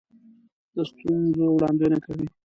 د ستونزو وړاندوینه کوي.